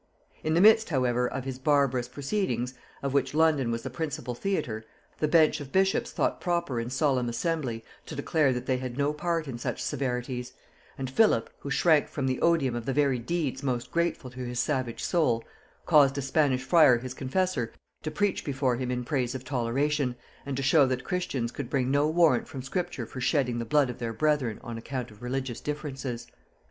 In the midst however of his barbarous proceedings, of which London was the principal theatre, the bench of bishops thought proper in solemn assembly to declare that they had no part in such severities; and Philip, who shrank from the odium of the very deeds most grateful to his savage soul, caused a Spanish friar his confessor to preach before him in praise of toleration, and to show that Christians could bring no warrant from Scripture for shedding the blood of their brethren on account of religious differences.